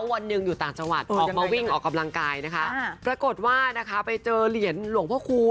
และด้วยความบังเอิญหรืออะไรก็ไม่รู้